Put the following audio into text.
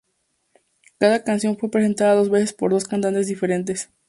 Cada canción fue presentada dos veces por dos cantantes diferentes.